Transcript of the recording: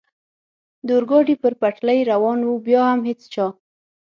د اورګاډي پر پټلۍ روان و، بیا هم هېڅ چا.